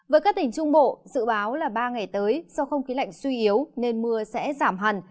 với các tỉnh trung bộ dự báo là ba ngày tới do không khí lạnh suy yếu nên mưa sẽ giảm hẳn